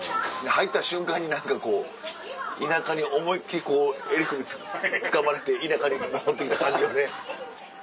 入った瞬間に何かこう田舎に思いっ切りこう襟首つかまれて田舎に戻ってきた感じよね。